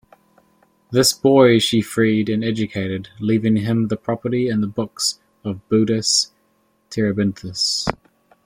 This boy she freed and educated, leaving him the property and books of Buddas-Terebinthus.